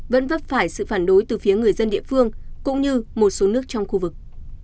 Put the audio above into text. vẫn vấp phải sự phản đối từ phía người dân địa phương cũng như một số nước trong khu vực